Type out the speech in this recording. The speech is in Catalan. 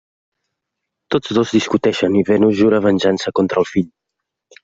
Tots dos discuteixen i Venus jura venjança contra el fill.